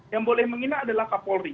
yang boleh menghina adalah kapolri